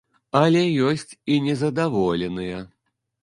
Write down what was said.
Але ёсць і незадаволеныя.